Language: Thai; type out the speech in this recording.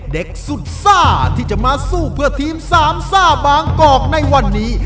เด็กสุดซ่าที่จะมาสู้เพื่อทีมสามซ่าบางกอกในวันนี้